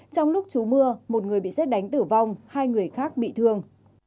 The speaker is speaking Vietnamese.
trong lúc chú mưa một người bị xét đánh tử vong hai người khác bị thương